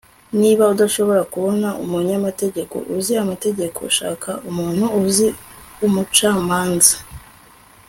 niba udashobora kubona umunyamategeko uzi amategeko, shaka umuntu uzi umucamanza. (mrshoval